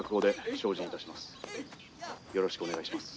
「よろしくお願いします」。